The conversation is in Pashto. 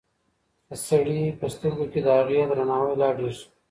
د سړي په سترګو کې د هغې درناوی لا ډېر شو.